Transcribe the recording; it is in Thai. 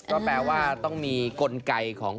ก็แปลว่าต้องมีกลไกของ